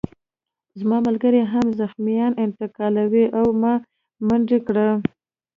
زما ملګرو هم زخمیان انتقالول او ما منډه کړه